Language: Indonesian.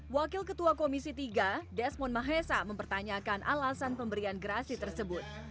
wakil ketua komisi tiga desmond mahesa mempertanyakan alasan pemberian gerasi tersebut